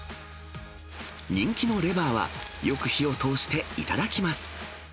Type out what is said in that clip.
人気のレバーは、よく火を通して頂きます。